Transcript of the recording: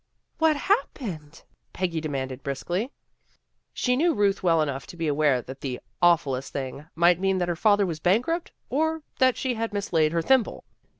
"" What's happened? " Peggy demanded briskly. She knew Ruth well enough to be aware that the " awfullest thing " might mean that her father was bankrupt or that she had mislaid her thimble.